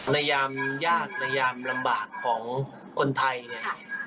นายามยากนายามลำบากของคนไทยเนี้ยค่ะ